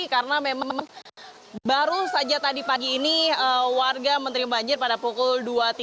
karena memang baru saja tadi pagi ini warga menerima banjir pada pukul dua tiga puluh